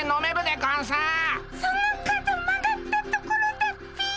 その角曲がったところだっピィ。